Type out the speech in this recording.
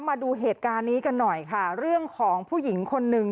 มาดูเหตุการณ์นี้กันหน่อยค่ะเรื่องของผู้หญิงคนหนึ่ง